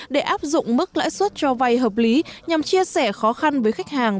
để áp dụng mức lãi suất cho vay hợp lý nhằm chia sẻ khó khăn với khách hàng